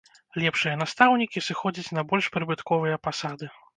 Лепшыя настаўнікі сыходзяць на больш прыбытковыя пасады.